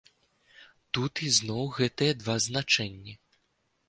Тут ізноў гэтыя два значэнні.